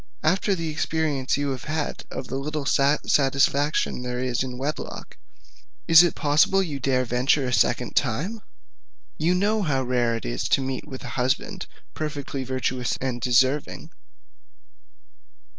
After the experience you have had of the little satisfaction there is in wedlock, is it possible you dare venture a second time? You know how rare it is to meet with a husband perfectly virtuous and deserving.